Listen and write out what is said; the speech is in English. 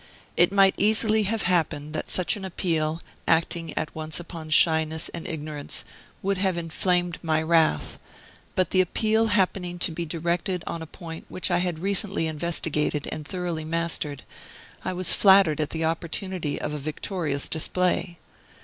It might easily have happened that such an appeal, acting at once upon shyness and ignorance, would have inflamed my wrath; but the appeal happening to be directed on a point which I had recently investigated and thoroughly mastered, I was flattered at the opportunity of a victorious display.